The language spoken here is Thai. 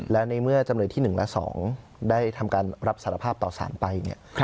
และในเมื่อจำเลยที่๑และ๒ได้ทำการรับสารภาพต่อสารไปเนี่ย